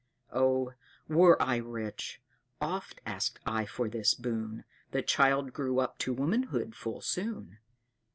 "Oh, were I rich! Oft asked I for this boon. The child grew up to womanhood full soon.